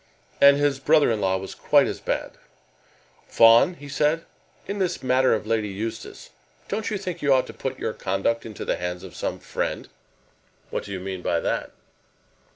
And his brother in law was quite as bad. "Fawn," he said, "in this matter of Lady Eustace, don't you think you ought to put your conduct into the hands of some friend?" "What do you mean by that?"